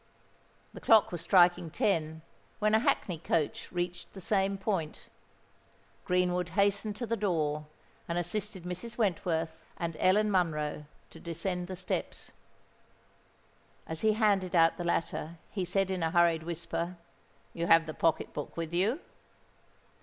The clock was striking ten, when a hackney coach reached the same point. Greenwood hastened to the door, and assisted Mrs. Wentworth and Ellen Monroe to descend the steps. As he handed out the latter, he said, in a hurried whisper, "You have the pocket book with you?"